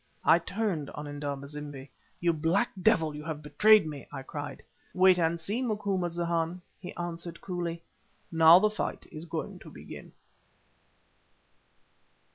I turned on Indaba zimbi. "You black devil, you have betrayed me!" I cried. "Wait and see, Macumazahn," he answered, coolly. "Now the fight is going to begin."